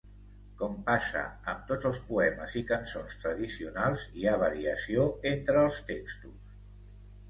Com passa amb tots els poemes i cançons tradicionals, hi ha variació entre els textos.